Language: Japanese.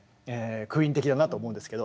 クイーン的だなと思うんですけど